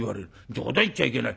冗談言っちゃいけない。